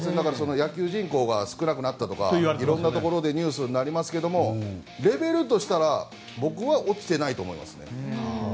野球人口が少なくなったとかいろいろなところでニュースになりますけどレベルとしたら僕は落ちてないと思います。